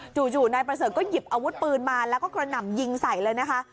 นายประเสริฐก็หยิบอาวุธปืนมาแล้วก็กระหน่ำยิงใส่เลยนะคะ